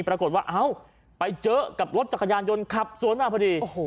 ปรากฏว่าเอ้าไปเจอกับรถจักรยานยนต์ขับสวนมาพอดี